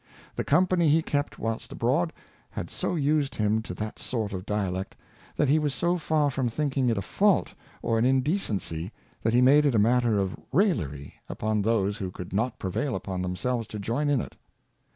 The Company he kept whilst abroad, had so used him to that sort of Dialect, that he was so far from thinking it a Fault or an Indecency, that he made it a matter of Rallery upon those who could not prevail upon themselves to join in it.